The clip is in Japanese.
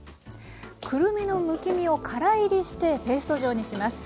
くるみのむき身をからいりしてペースト状にします。